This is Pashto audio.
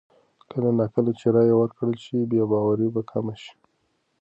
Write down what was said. کله نا کله چې رایه ورکړل شي، بې باوري به کمه شي.